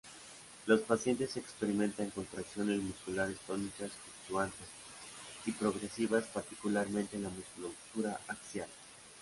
Los pacientes experimentan contracciones musculares tónicas fluctuantes y progresivas particularmente en la musculatura axial.